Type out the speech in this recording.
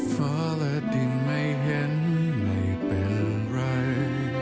ฟ้าและดินไม่เห็นไม่เป็นไร